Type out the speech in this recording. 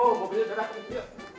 tuh bau bedah darah itu